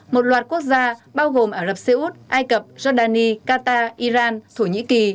một loạt quốc gia bao gồm ả rập xê út ai cập jordani qatar iran thổ nhĩ kỳ